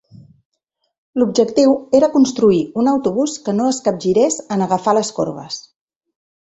L'objectiu era construir un autobús que no es capgirés en agafar les corbes.